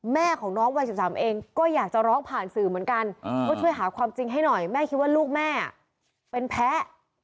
แม่ของน้องวัย๑๓เองก็อยากจะร้องผ่านสื่อเหมือนกันว่าช่วยหาความจริงให้หน่อยแม่คิดว่าลูกแม่เป็นแพ้